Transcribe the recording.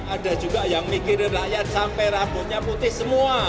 ada juga yang mikirin rakyat sampai rambutnya putih semua